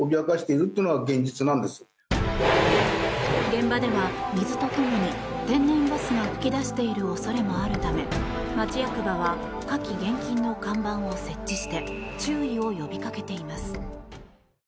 現場では、水と共に天然ガスが噴き出している恐れもあるため町役場は火気厳禁の看板を設置して注意を呼びかけています。